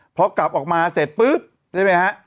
พอกลับออกมาเสร็จปุ๊บใช่ไหมฮะ